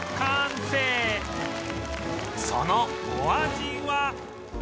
そのお味は？